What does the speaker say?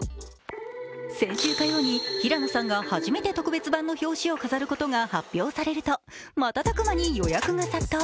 先週火曜に平野さんが初めて特別版の表紙を飾ることが発表されると瞬く間に予約が殺到。